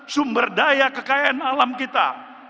sumber daya kekayaan alam kita